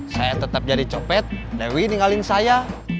saya tetap jadi copet dewi ninggalin saya